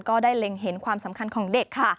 ได้เล็งเห็นความสำคัญของเด็กค่ะ